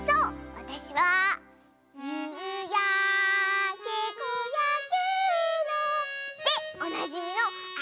わたしは「ゆうやけこやけの」でおなじみのあかとんぼよ！